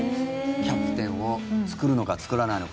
キャプテンを作るのか作らないのか。